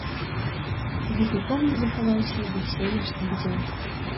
Гэты помнік захаваўся да сённяшніх дзён.